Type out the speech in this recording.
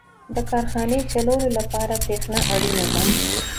• د کارخانې چلولو لپاره برېښنا اړینه ده.